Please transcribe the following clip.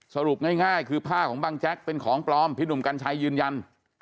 สรุปง่ายคือผ้าของบังแจ๊กเป็นของปลอมพี่หนุ่มกัญชัยยืนยัน